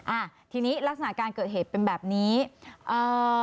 อ่าทีนี้ลักษณะการเกิดเหตุเป็นแบบนี้เอ่อ